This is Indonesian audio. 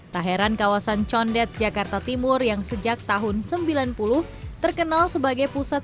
tak heran kawasan condat jakarta timur yang sejak tahun seribu sembilan ratus sembilan puluh open untuk menjual triangular